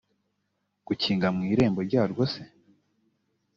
gukinga mu irembo ryarwo c